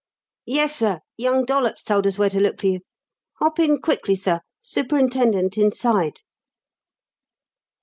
"Yessir. Young Dollops told us where to look for you. Hop in quickly, sir. Superintendent inside."